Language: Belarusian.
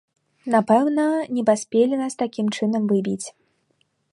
Напэўна, не паспелі нас такім чынам выбіць.